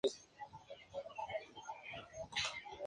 Es una de las formas de la justicia para Sócrates y Tomás de Aquino.